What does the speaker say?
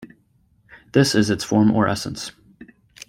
This is its form or essence.